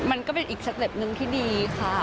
มันก็เป็นอีกสเต็ปหนึ่งที่ดีค่ะ